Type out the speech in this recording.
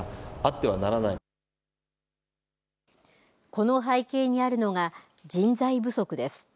この背景にあるのが人材不足です。